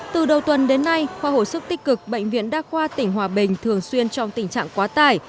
từ đầu tuần đến nay khoa hồi sức tích cực bệnh viện đa khoa tỉnh hòa bình thường xuyên trong tình trạng quá tải